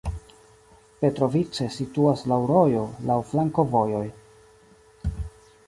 Petrovice situas laŭ rojo, laŭ flankovojoj.